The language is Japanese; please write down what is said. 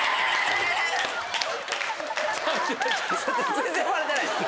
全然笑ってないですよ。